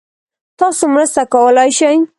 تاسو مرسته کولای شئ؟